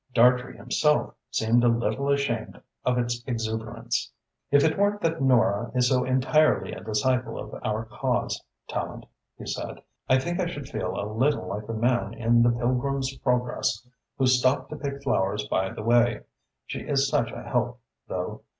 Dartrey himself seemed a little ashamed of its exuberance. "If it weren't that Nora is so entirely a disciple of our cause, Tallente," he said, "I think I should feel a little like the man in the 'Pilgrim's Progress,' who stopped to pick flowers by the way. She is such a help, though.